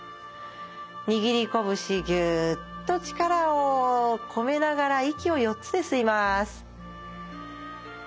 握り拳ぎゅっと力をこめながら息を４つで吸います。